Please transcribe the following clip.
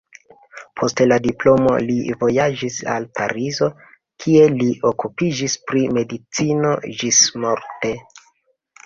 Post la diplomo li vojaĝis al Parizo, kie li okupiĝis pri medicino ĝismorte.